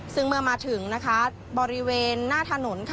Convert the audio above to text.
ซึ่งเมื่อมาถึงบริเวณหน้าถนน